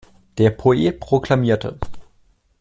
Der Poet proklamierte.